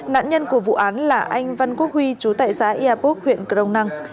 nạn nhân của vụ án là anh văn quốc huy chú tại xã yà bốc huyện grong năng